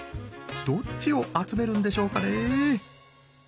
どっちを集めるんでしょうかね。